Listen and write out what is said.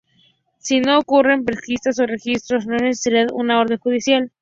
Si no ocurren pesquisas o registros, no es necesaria una orden judicial.